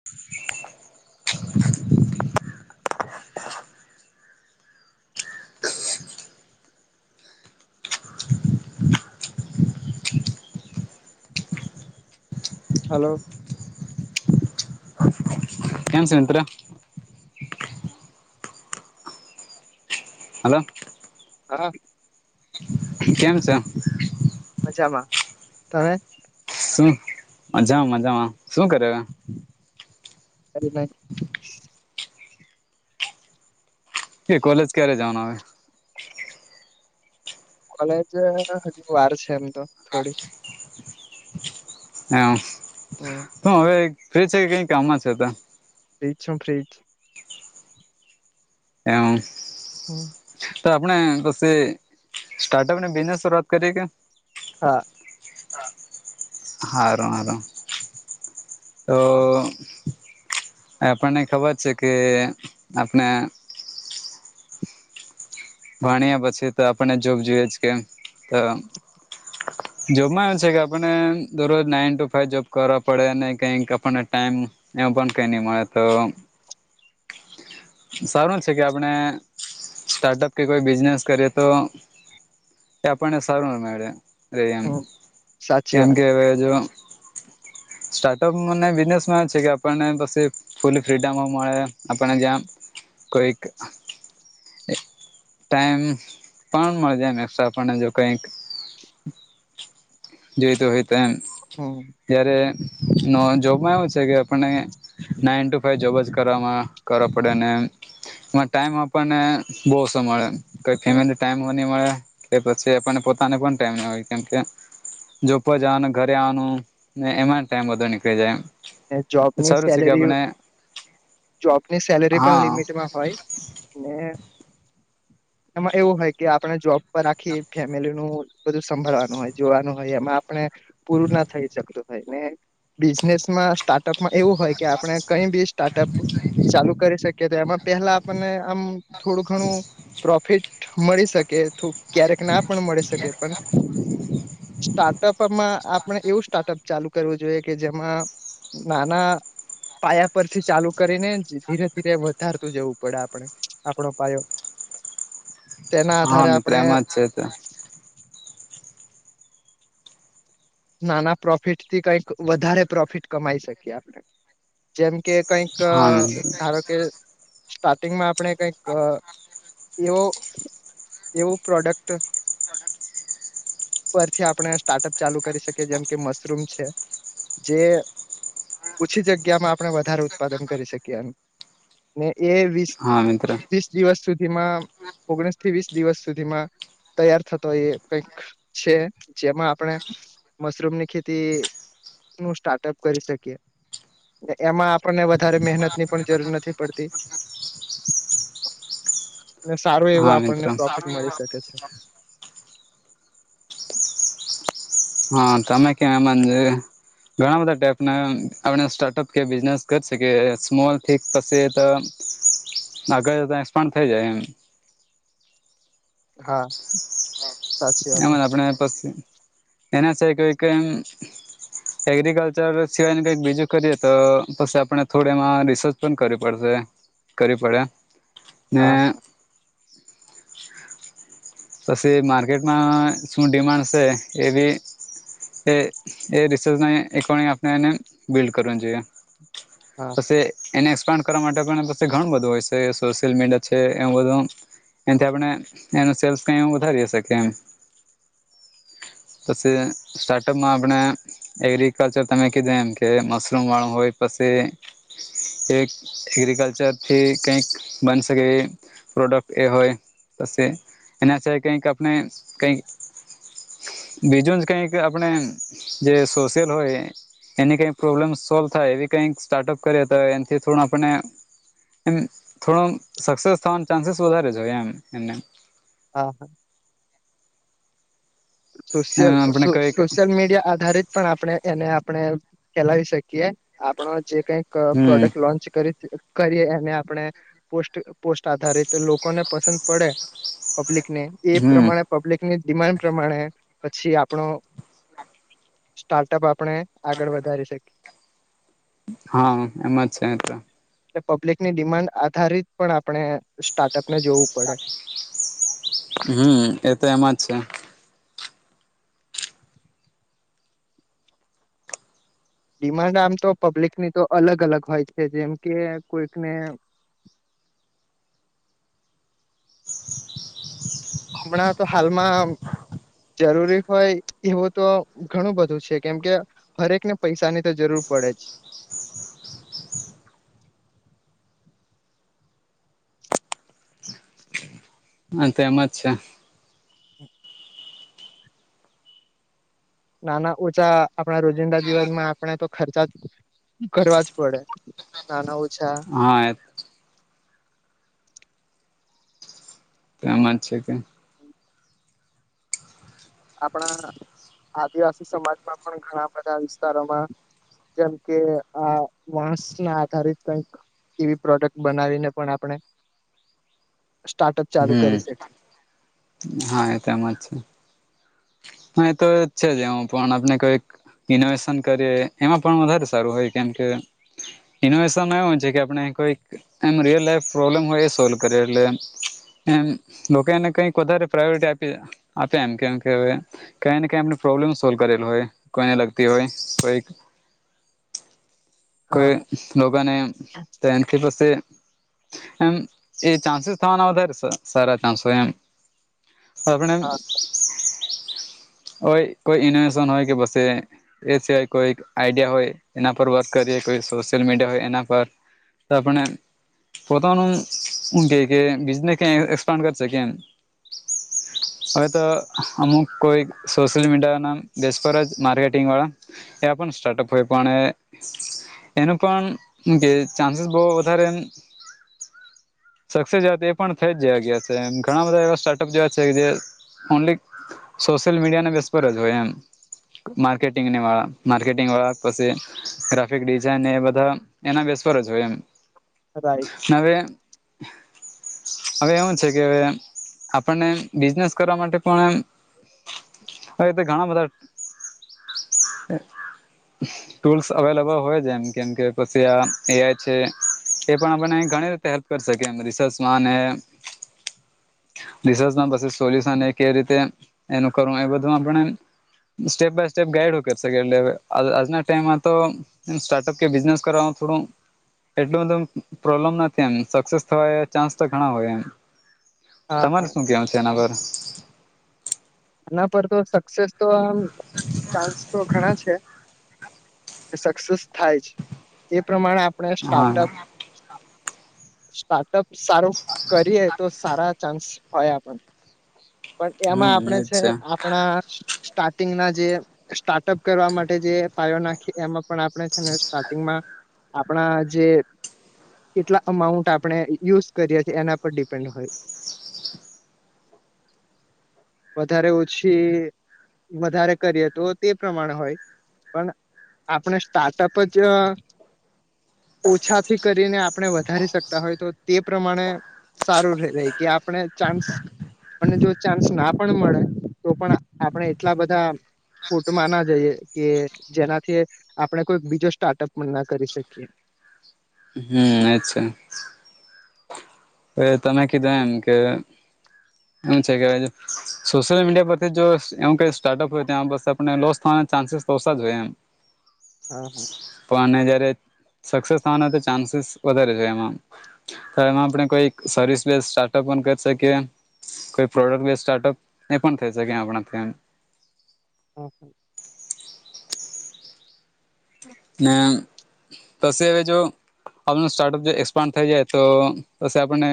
[inaudible] [inaudible] [unintelligible] Hello. કેમ છે મિત્ર? હેલો. હલો. કેમ છો? મજામાં. તમે? શું મજામાં મજામાં શું કરે રા. [unintelligible] એ કોલેજ ક્યારે જવાનો હવે? કોલેજ હજુ વાર છે, એમ તો થોડી. [unintelligible] [inaudible] તું હવે ફ્રી છે, કે કઈ કામમાં છે? ફ્રી જ છુ ફ્રી. [unintelligible] હમ્મ તો આપણે પસી સ્ટાર્ટઅપ ને બિઝનેસ શઆત કરી છે? હા હારુ હારુ તો. આપણને ખબર છે કે આપને ભણ્યા પછી તો આપણને જોબ જોઈએ જ કે તો. [inaudible] જોબમાં એવું છે, કે આપણને દરરોજ નાઈન ટુ ફાઈવ જોબ કરવા પડે કઈક આપણને ટાઈમ એમ પણ કઈ નહી મળે તો. સારું છે, કે આપણે સ્ટાર્ટઅપ કે કોઈ બિઝનેસ કરીએ તો એ આપણને સારું [unintelligible] રે એમ હમ સાચી કેમ વાત કે હવે જો સ્ટાર્ટઅપમાં અને બિઝનેસમાં એમ છે, કે આપણને પછી ફુલ ફ્રીડમ મળે આપણને જ્યાં કંઈક ટાઈમ પણ મળી જાય ને [unintelligible] આપણને જો કઈક. જોઈતો હોય તો એમ. હમ્મ. જ્યારે [unintelligible] જોબમાં એવું છે, કે આપણને નાઈન ટુ જોબ જ કરવામાં કરવો પડે ને એમ એમાં ટાઈમ આપણને બહુ ઓછો મળે. કઈ હમ ફેમિલી ટાઈમ હઉ ની મળે એ પછી આપણને પોતાને પણ ટાઈમ ન હોય કેમ કે જોબ પર જવાનું ઘરે આવવાનું ને એમાં ટાઈમ બધો નીકળી જાય એમ. અને જોબની સારું છે કે સેલેરીઓ આપણે જોબની સેલરી પણ હા લિમિટમાં હોય. ને એમાં એવું હોય કે આપણે જોબ પર આખી ફેમિલીનું બધું સંભાળવાનું હોય જોવાનું હોય એમાં પણ એ પૂરું ના થઈ શકતું હોય ને બિઝનેસમાં સ્ટાર્ટ ટૂંક માં એવું હોય કે આપણે બી સ્ટાર્ટઅપ ચાલુ કરી શકીએ તો એમાં પહેલા આપણને ને આમ થોડું ઘણું પ્રોફિટ મળી શકે [unintelligible] ક્યારેક ના પણ મળી શકે પણ સ્ટાર્ટઅપમાં આપણે એવું સ્ટાર્ટઅપ ચાલુ કરવું જોઈએ, કે જેમાં નાના પાયા પરથી ચાલુ કરીને ધીરે ધીરે વધારતું જવું પડે આપણે આપણો પાયો. તેના હા આધારે આપણે [unintelligible] નાના પ્રોફિટથી કંઈક વધારે પ્રોફિટ કમાઈ શકીએ આપણે જેમ કે કંઈક હા મિત્ર [unintelligible] કે સ્ટાર્ટિંગમાં આપણે કંઈક એવો એવું પ્રોડક્ટ પરથી આપણે સ્ટાર્ટઅપ ચાલુ કરી શકે જેમ કે મશરૂમ છે, જે ઓછી જગ્યામાં આપણે વધારે ઉત્પાદન કરી શકીએ એમ ને એ વી હા મિત્ર. દિવસ સુધીમાં ઓગણીસથી વીસ દિવસ સુધીમાં તૈયાર થતો હોય એ કંઈક છે, જેમાં આપણે મશરૂમની ખેતી નું સ્ટાર્ટઅપ કરી શકીએ. ને એમાં આપણને વધારે મહેનતની પણ જરૂર નથી પડતી. ને સારું એવું હા મિત્ર આપણને પ્રોફિટ મળી શકે છે. હા તમે કે મંજે. ઘણા બધા ટાઈપના આપણે સ્ટાર્ટઅપ કે બિઝનેસ કર શકી સ્મોલ કેપ પાસે તો [unintelligible] [inaudible] [unintelligible] એક્સપાન્ડ થઇ જાય એમ. હા. સાચી વાત છે. એમાંને આપણે પસી એના સિવાય કોઈ કે એમ [unintelligible] [inaudible] સેગ્રીકલ્ચર સિવાયન કંઈક બીજું કરીએ તો પછી આપણે થોડીએમાં રિસર્ચ પણ કરવી પડશે. કરવી પડે ને હા પછી માર્કેટમાં શું ડિમાન્ડ છે, એબી એ એ રિસોર્સના એ પણ એ આપણેને બિલ્ડ કરવાનું જોઈએ. હા પશે એને એક્સપાન્ડ કરવા માટે પણ પસી ઘણું બધું હોય છે, સોશિયલ મીડિયા છે, એ બધું. એથી આપણે એનું સેલ્સ કંઈ વધારી હશે કે એમ. [unintelligible] [inaudible] બસએ સ્ટાર્ટઅપમાં આપણે એગ્રીકલ્ચર તમે કીધો એમ કે મશરૂમવાળું હોય પછી એક એગ્રીકલ્ચરથી કંઈક બન શકેએ પ્રોડક્ટ એ હોય પસે એના સિવાય કંઈક આપણે કંઈક બીજું જ કંઈક આપણે જે સોશિયલ હોય એની કંઈક પ્રોબ્લેમ સોલ્વ થાય એવી કંઈક સ્ટાર્ટઅપ કરીયે તો એનથી થોડું આપને એમ થોડો આમ સક્સેસ થવાના ચાન્સીસ વધારે જોઈએ એમ એમને. હા, હા. સોશ્યલ આપણે સો કઈક સોશ્યલ મીડિયા આધારિત પણ આપણે એને આપણે ફેલાવી શકીએ આપણો જે કંઈક ક હમ પ્રોડક્ટ લોન્ચ કરી [unintelligible] કરીએ એને આપણે પોસ્ટ પોસ્ટ આધારિત લોકોને પસંદ પડે પબ્લિકને એ હમ પ્રમાણે પબ્લિકની ડિમાન્ડ પ્રમાણે પછી આપણો સ્ટાર્ટઅપ આપણે આગળ વધારી શકીએ. હા એમ જ છે, તો. એટલે પબ્લિકની ડિમાન્ડ આધારિત પણ આપણે સ્ટાર્ટઅપને જોવું પડે. હમ. એ તો એમ જ છે. ડિમાન્ડ આમ તો પબ્લિક ની તો અલગ અલગ હોય છે. જેમ કે, કોઈકને હમણાં તો હાલમાં જરૂરી હોય એવું તો ઘણું બધું છે. કેમકે હર એક ને પૈસાની તો જરૂર પડે જ. હા. તો એમ જ છે. નાના ઓછા આપણા રોજિંદા દિવસમાં આપણે તો ખર્ચા કરવા જ પડે. નાના ઓછા હા, એમ. એમ જ છે કે આપણા આદિવાસી સમાજમાં પણ ઘણા બધા વિસ્તારોમાં જેમ કે, આ વાસ ના આધારિત કઈક એવી પ્રોડક્ટ બનાવીને પણ આપણે સ્ટાર્ટઅપ ચાલુ હમ. કરી શકીએ હા, એતો એમ જ છે. હા. એ તો છે જ એવું પણ આપને કોઈક ઇનોવેશન કરીએ, એમાં પણ વધારે સારું હોય. કેમકે, ઇનોવેશન એવું હોય છે, કે આપડે કોઈ એમ રિયલ લાઈફ પ્રોબ્લેમ હોય, એ સોલ્વ કરીએ. એટલે એમ. લોકો એને કઈક વધારે પ્રાયોરિટી આપી, આપે એમ કે કે કંઇ ને કંઈ એમને પ્રોબ્લેમ સોલ્વ કરેલુ હોય. કોઈને લગતી હોય કોઈક [inaudible] કોઈ લોકોને તો એન કે લોસે એમ એ ચાન્સીસ થવાના વધારે સારા ચાન્સ હોય એમ. આપણે હા હોય,. કોઈ ઇનોવેશન હોય કે બસ એ એ સિવાય કોઈ આઈડિયા હોય, એના પર વર્ક કરીએ. કોઈ સોશિયલ મીડિયા હોય, એના પર તો આપણે પોતાનું હું કેય કે બીજનેસ કે એક્સપાન્ડ કરી શકીએ એમ. અવે તો અમુક કોઈ સોશિયલ મીડિયાના બેસ પર જ માર્કેટિંગવાળા એ પણ સ્ટાર્ટઅપ હોય પણ એ એનો પણ એમ કે ચાંસીસ બો વધારે સક્સેસ જેવા તો એ પણ થઈ જ જેવા ગયા છે એમ. ઘણા બધા એવા સ્ટાર્ટઅપ જેવા છે, કે જે ઓન્લી, સોશિયલ મીડિયાને બેસ પર જ હોય એમ. માર્કેટિંગને વાળા, માર્કેટિંગવાળા પછી ગ્રાફિક ડિઝઇનને એ બધા એના બેસ પર જ હોય એમ. રાઈટ. હવે? હવે, એવું છે કે હવે, આપણને બિઝનેસ કરવા માટે પણ એમ. હવે, તો ઘણા બધા ટૂલ્સ અવેલેબલ હોય, જેમ કેમ કે પછી આ એ આઈ છે. એ પણ આપનને ઘણી રીતે હેલ્પ કરી શકે એમ. રિસર્ચમાં અને- રિસર્ચમાં પછી સોલ્યુશન એ કે રીતે એનું કરવું, એ બધુંમાં આપણે સ્ટેપ બાય સ્ટેપ ગાઈડો કરી શકે અને અવે આજના ટાઈમમાં તો સ્ટાર્ટઅપ કે બિઝનેસ કરવામાં થોડું એટલું બધું પ્રોબ્લેમ નથી એમ. સક્સેસ થવાય, એ ચાન્સ તો ઘણા હોય એમ. હા હા તમારુ શું કેવાનું છે? એના પર. એના પર તો સક્સેસ તો આમ ચાન્સ તો ઘણા છે. સક્સેસ થાય છે. એ પ્રમાણે આપણે હા સ્ટાર્ટઅપ સ્ટાર્ટઅપ સારું કરીએ, તો સારા ચાન્સ આવે આપણાને. પણ એમાં હમ આપણેે એજ છે ને, આપણા સ્ટાર્ટિંગના જે સ્ટાર્ટઅપ કરવા માટે જે પાયો નાખી એમાં પણ આપણે છે ને સ્ટાર્ટિંગમાં આપણા જે કેટલા અમાઉન્ટ આપણે યુઝ કરીએ છીએ એના પર ડિપેન્ડ હોય. વધારે ઓછી વધારે કરીએ તો તે પ્રમાણે હોય. પણ આપણે સ્ટાર્ટઅપ જ ઓછાથી કરીને આપણે વધારી શકતા હોય તો તે પ્રમાણે સારું રેય કે આપણે ચાન્સ આપણને જો ચાન્સના પણ મળે તોપણ આપણે એટલા બધા ખોટમાં ના જઈએ કે જેનાથી આપણે કોઈ બીજો સ્ટાર્ટઅપ પણ ના કરી શકીએ. હમ્મ અચ્છા. હવે તમે કીધું એમ કે એમ છે કે જો સોશિયલ મીડિયા પરથી જો એવું કંઈ હોય ત્યાં બસ આપણને લોસ થવાના ચાન્સીસ ઓછા જ રે એમ. [inaudible] હા હા [inaudible] પણ અને જયારે સક્સેસ થવાનો તો ચાન્સીસ વધારે જ હોય એમાં તો એમાં આપણે કોઈ સર્વિસ બેસ સ્ટાર્ટઅપ પણ કરી શકીએ. કોઈ પ્રોડક્ટ બેઝ સ્ટાર્ટઅપ એ પણ થઈ શકે આપણાથી એમ હમ્મ. ને પસી હવે જો આપનુ સ્ટાર્ટઅપ જો એક્સપાન્ડ થઈ જાય તો પસી આપણને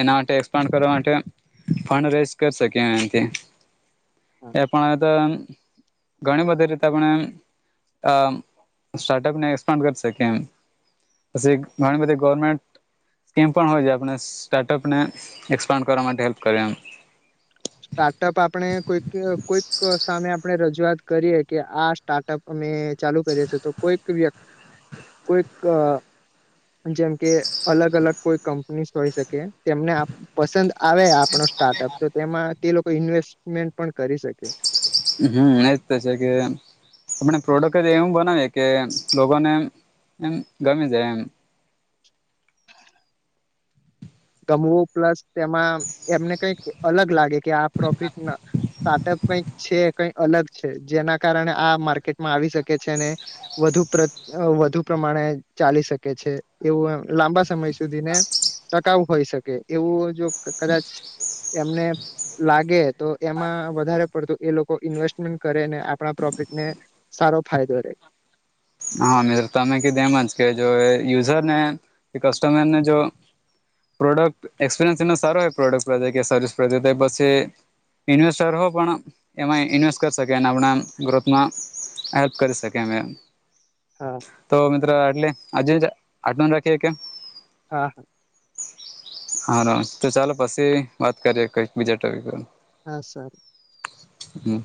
એના માટે એક્સપાન્ડ કરવા માટે ફંડ રેઝ કર શકીએ એથી હા એ પણ તો ઘણી બધી રીતે આપણે આ સ્ટાર્ટઅપને એક્સપાન્ડ કરી શકીએ એમ પસી ઘણી બધી ગવર્મેન્ટ સ્કીમ પણ હોય જે આપણે સ્ટાર્ટઅપને એક્સપાન્ડ કરવા માટે હેલ્પ કરે એમ. સ્ટાર્ટઅપ આપણે કોઈક કોઈક સામે આપણે રજૂઆત કરીએ કે આ સ્ટાર્ટઅપ મેં ચાલુ કર્યું છે તો કોઈક વ્યક્તિ કોઈક અ જેમ કે અલગ અલગ કોઈ કંપનીસ હોય શકે. તેમને આ પસંદ આવે આપણો સ્ટાર્ટઅપ તો તેમાં તે લોકો ઇન્વેસ્ટમેન્ટ પણ કરી શકે. હમ્મ એજ તો છે કે આપણે પ્રોડક્ટ જ એવું બનાવીએ કે લોકોને એમ ગમી જાય એમ. ગમવું પ્લસ તેમાં એમને કંઈક અલગ લાગે કે આ પ્રોફિટ સ્ટાર્ટઅપ કંઈક છે કંઈક અલગ છે. જેના કારણે આ માર્કેટમાં આવી શકે છે ને વધુ પ્ર વધુ પ્રમાણે ચાલી શકે છે. એવું એમ લાંબા સમય સુધીને ટકાવ હોય શકે. એવું જો કદાચ એમને લાગે તો એમાં વધારે પડતું એ લોકો ઇન્વેસ્ટમેન્ટ કરે ને આપણા પ્રોફિટને સારો ફાયદો રે. હા મેં તમે કીધું એમજ કે જો યુઝરને કસ્ટમરને જો પ્રોડક્ટ એક્સપિરિયન્સ એનો સારો એ પ્રોડક્ટ પ્રત્યે કે સર્વિસ પ્રત્યે કે પસી ઇન્વેસ્ટર હો પણ એમાં ઇન્વેસ્ટ કરી શકે અને આપણાં ગ્રોથમાં હેલ્પ શકે એમ એ હા. તો મિત્રો આટલે આજે જ આટલું રાખીએ હકીએ. હા. હારો તો ચાલો પસી વાત કરીએ કોઈક બીજા ટપિક પર. હા સર હમ.